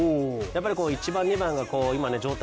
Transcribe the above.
１番、２番が状態